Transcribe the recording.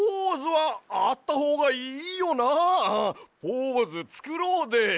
ポーズつくろうで！